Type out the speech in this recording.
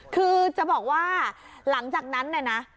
คือจะบอกว่าหลังจากนั้นนะ